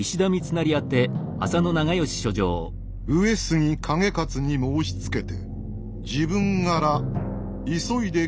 「上杉景勝に申しつけて」。